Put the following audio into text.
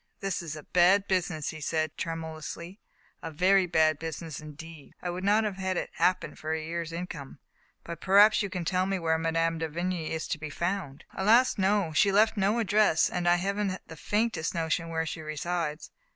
" This is a bad business,*' he said tremulously. "A very bad business, indeed ; I would not have had it happen for a year*s income. But perhaps you can tell me where Mme. de Vigny is to be found? Digitized by Google t6i tM PAtk OP FM^TElLA, " Alas ! no. She left no address, and I haven't the faintest notion where she resides.